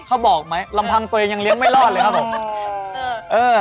เขาบอกไหมลำพังตัวเองยังเลี้ยงไม่รอดเลยครับผม